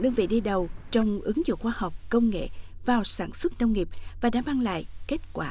đơn vị đi đầu trong ứng dụng khoa học công nghệ vào sản xuất nông nghiệp và đã mang lại kết quả